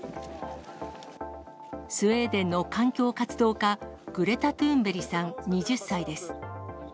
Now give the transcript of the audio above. スウェーデンの環境活動家、グレタ・トゥーンベリさん２０歳です。